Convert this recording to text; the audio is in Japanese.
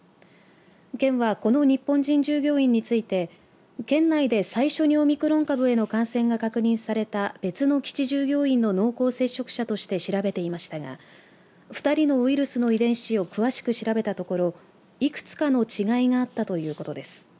県は、この日本人従業員について県内で最初にオミクロン株への感染が確認された別の基地従業員の濃厚接触者として、調べていましたが２人のウイルスの遺伝子を詳しく調べたところいくつかの違いがあったということです。